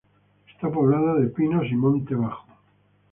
Está poblada de pinos y monte bajo.